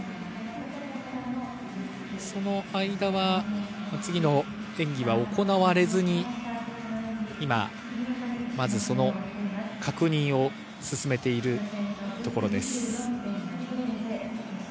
その間は次の演技は行われずにまず確認を進めているところです。